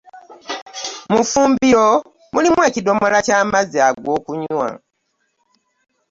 Mu ffumbiro mulimu ekidomola ky'amazzi g'okunywa.